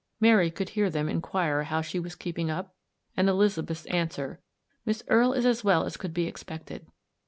Mary could hear them inquire how she was keeping up ? And Elizabeth's answer: "Miss Erie is as well as could be expected."